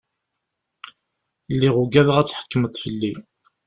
Lliɣ ugadeɣ ad tḥekkmeḍ fell-i!